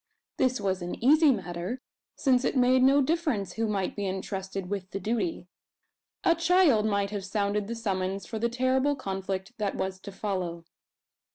This was an easy matter, since it made no difference who might be entrusted with the duty. A child might have sounded the summons for the terrible conflict that was to follow.